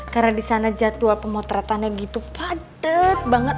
karena di sana jadwal pemotretannya gitu padet banget